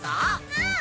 うん！